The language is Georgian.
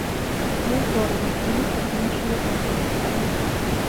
წყვილს ორივე შვილი სიყრმეშივე გარდაეცვალა.